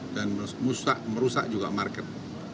dan merusak juga market